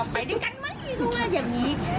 ไปด้วยกันไหมด้วยอย่างนี้